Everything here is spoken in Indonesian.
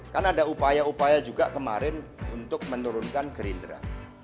kan ada upaya upaya juga kemarin untuk menurunkan gerindra